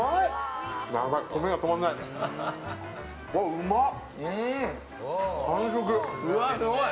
うまっ！